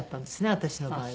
私の場合は。